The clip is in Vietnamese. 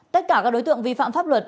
tất cả các đối tượng vi phạm pháp luật